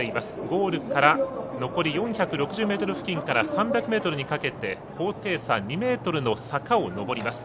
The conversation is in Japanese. ゴールから残り４６０ｍから３００ｍにかけて高低差２ｍの坂を上ります。